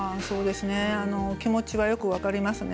気持ちはよく分かります。